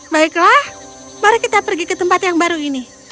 baiklah mari kita pergi ke tempat yang baru ini